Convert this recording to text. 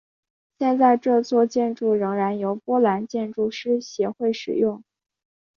现在这座建筑仍然由波兰建筑师协会使用。